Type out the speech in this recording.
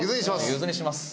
ゆずにします。